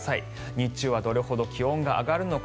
日中はどれほど気温が上がるのか。